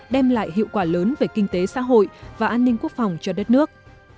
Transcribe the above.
đem lại hiệu quả lớn về kinh tế xã hội và an ninh quốc phòng cho đất nước